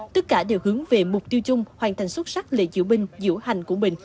tất cả đều hướng về mục tiêu chung hoàn thành xuất sắc lễ diễu binh diễu hành của mình